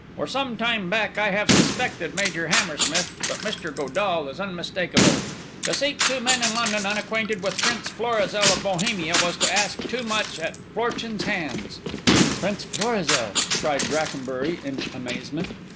For some time back I have suspected Major Hammersmith, but Mr. Godall is unmistakable. To seek two men in London unacquainted with Prince Florizel of Bohemia was to ask too much at Fortune's hands." "Prince Florizel!" cried Brackenbury in amazement.